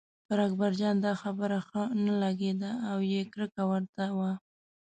پر اکبرجان دا خبره ښه نه لګېده او یې کرکه ورته وه.